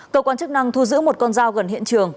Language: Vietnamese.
cơ quan chức năng thu giữ một con dao gần hiện trường